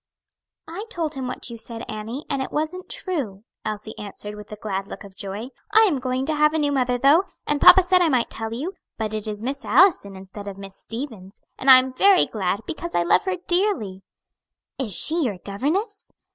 "I told him what you said, Annie, and it wasn't true," Elsie answered, with a glad look of joy. "I am going to have a new mother though, and papa said I might tell you; but it is Miss Allison instead of Miss Stevens, and I am very glad, because I love her dearly." "Is she your governess?"